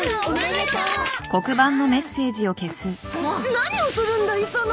何をするんだ磯野。